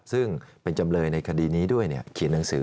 ซึ่งเป็นจำเลยในคณะนี้ด้วย